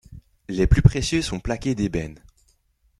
Les plus précieux sont plaqués d'ébène.